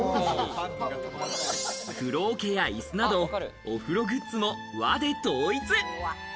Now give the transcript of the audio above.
風呂桶やイスなど、お風呂グッズも和で統一。